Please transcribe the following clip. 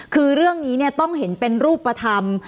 คือเรื่องนี้เนี่ยต้องเห็นเป็นรูปประทำ